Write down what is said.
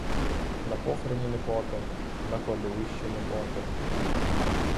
На похороні не плакав, на кладовищі не плакав.